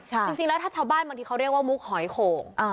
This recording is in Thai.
จริงแล้วถ้าชาวบ้านบางทีเขาเรียกว่ามุกหอยโข่ง